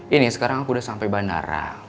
ini sekarang aku udah sampai bandara